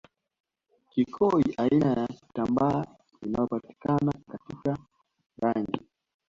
kikoi aina ya kitambaa inayopatikana katika rangi